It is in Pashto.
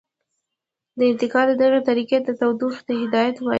د انتقال دغې طریقې ته تودوخې هدایت وايي.